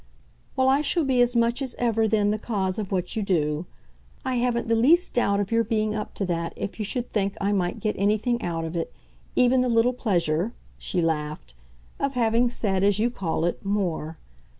"Well, I shall be as much as ever then the cause of what you do. I haven't the least doubt of your being up to that if you should think I might get anything out of it; even the little pleasure," she laughed, "of having said, as you call it, 'more.